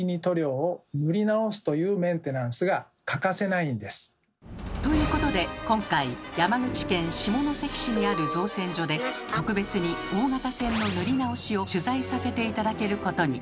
なのでということで今回山口県下関市にある造船所で特別に大型船の塗り直しを取材させて頂けることに。